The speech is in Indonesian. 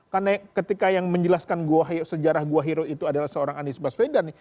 karena ketika yang menjelaskan sejarah gua hero itu adalah seorang anies basvedan